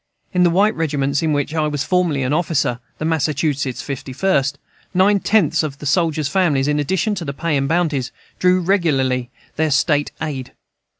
In the white regiment in which I was formerly an officer (the Massachusetts Fifty First) nine tenths of the soldiers' families, in addition to the pay and bounties, drew regularly their "State aid."